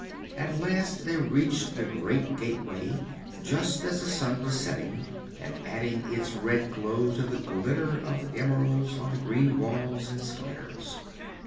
At last they reached the great gateway, just as the sun was setting and adding its red glow to the glitter of the emeralds on the green walls and spires.